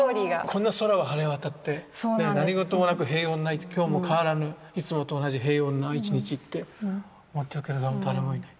こんな空は晴れ渡って何事もなく平穏な今日も変わらぬいつもと同じ平穏な一日って思ってるけど誰もいない。